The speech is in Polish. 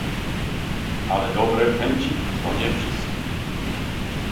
Ale dobre chęci to nie wszystko